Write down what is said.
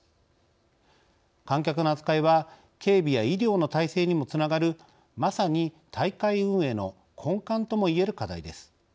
観客の扱いは警備や医療の体制にもつながるまさに大会運営の根幹とも言える課題です。